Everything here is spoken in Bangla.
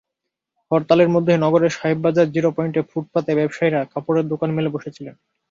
হরতালের মধ্যেই নগরের সাহেব বাজার জিরো পয়েন্টে ফুটপাতে ব্যবসায়ীরা কাপড়ের দোকান মেলে বসেছিলেন।